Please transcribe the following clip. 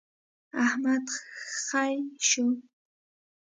احمد خې شو.